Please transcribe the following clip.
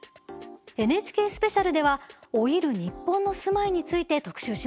「ＮＨＫスペシャル」では老いる日本の住まいについて特集します。